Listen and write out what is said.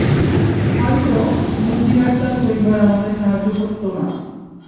হয়তো, মুবি আর তার পরিবার আমাদের সাহায্য করতো না।